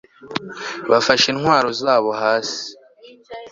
bafasha intwaro zabo hasi